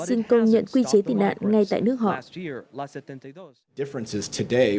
xin công nhận quy chế tị nạn ngay tại nước họ